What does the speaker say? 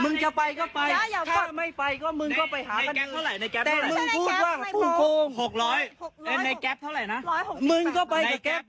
มึงไม่พอใจก็มึงไปหาคันอื่นไป